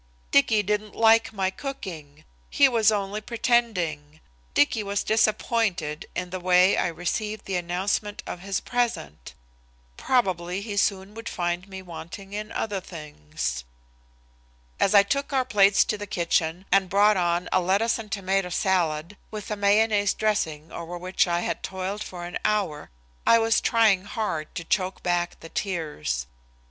Dicky didn't like my cooking! He was only pretending! Dicky was disappointed in the way I received the announcement of his present! Probably he soon would find me wanting in other things. As I took our plates to the kitchen and brought on a lettuce and tomato salad with a mayonnaise dressing over which I had toiled for an hour, I was trying hard to choke back the tears.